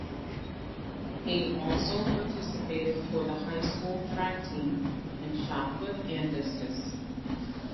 He also participated for the high school track team in shot put and discus.